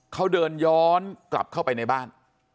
เขาเดินย้อนกลับเข้าไปในบ้าน